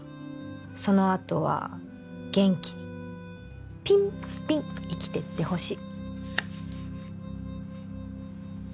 そのあとは元気にピンピン生きてってほしい